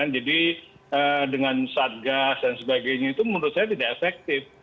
jadi dengan sadgas dan sebagainya itu menurut saya tidak efektif